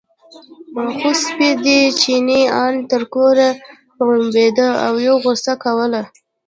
خو سپی دی، چیني ان تر کوره غړمبېده او یې غوسه کوله.